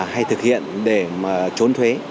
hay thực hiện để trốn thuế